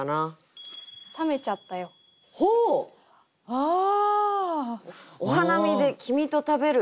ああ。